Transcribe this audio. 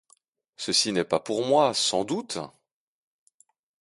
Ceci n'est pas pour moi, sans doute ?